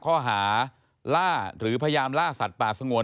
ข้อหาล่าหรือพยายามล่าสัตว์ป่าสงวน